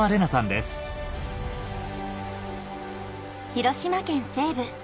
広島県西部